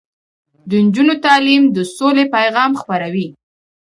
د نجونو تعلیم د سولې پیغام خپروي.